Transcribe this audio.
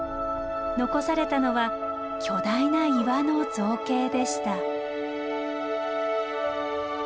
残されたのは巨大な岩の造形でした。